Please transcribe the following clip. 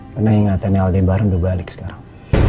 karena ingatannya aldebaran udah balik sekarang